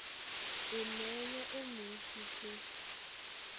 E maɛ̌nɛ́ ó mwǐtítí.